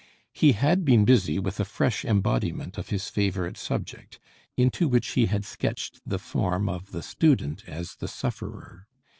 He had been busy with a fresh embodiment of his favourite subject, into which he had sketched the form of the student as the sufferer.